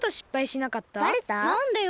なんでよ？